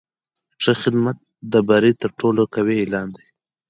ښه خدمت د بری تر ټولو قوي اعلان دی.